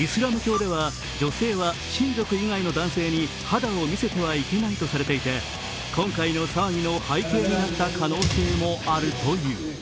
イスラム教では女性は親族以外の男性に肌を見せてはいけないとされていて、今回の騒ぎの背景になった可能性もあるという。